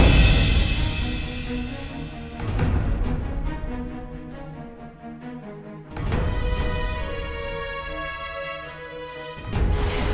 nggak mau lobster